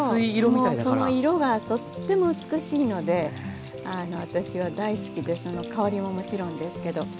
もうその色がとっても美しいので私は大好きでその香りももちろんですけど。